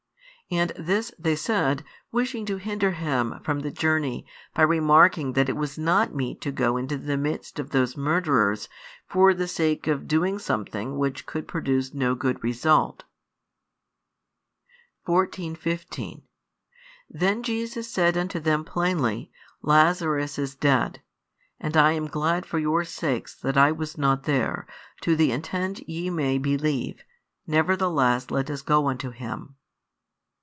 And this they said, wishing to hinder Him from the journey by remarking that it was not meet to go into the midst of those murderers for the sake of doing something which would produce no good result. 14, 15 Then Jesus said unto them plainly, Lazarus is dead. And I am glad for your sakes that I was not there, to the intent ye may believe; nevertheless let us go unto him.